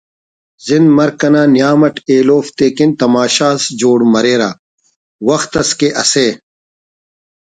زند مرک انا نیام اٹ ایلوفتے کن تماشہ اس جوڑ مریرہ وخت اس کہ اسہ